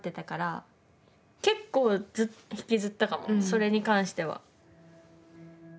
それに関しては。